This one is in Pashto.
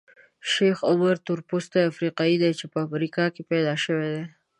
شیخ عمر تورپوستی افریقایي دی چې په امریکا کې پیدا شوی دی.